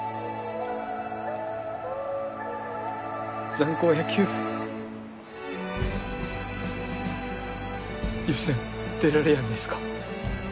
ザン高野球部予選出られやんですか？